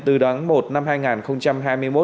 từ đáng một năm hai nghìn hai mươi một